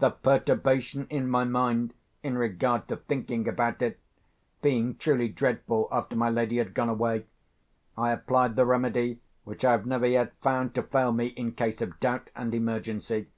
The perturbation in my mind, in regard to thinking about it, being truly dreadful after my lady had gone away, I applied the remedy which I have never yet found to fail me in cases of doubt and emergency.